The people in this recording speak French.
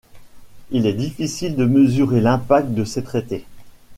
Il est difficile de mesurer l'impact de ces traités.